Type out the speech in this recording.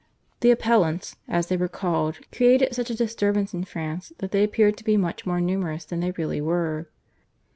The /Appellants/ as they were called created such a disturbance in France that they appeared to be much more numerous than they really were.